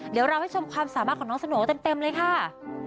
เดี๋ยวเราให้ชมความสามารถของน้องสโหน่เต็มเลยค่ะ